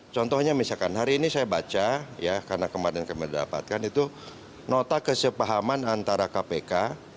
contohnya misalkan hari ini saya baca ya karena kemarin kami dapatkan itu nota kesepahaman antara kpk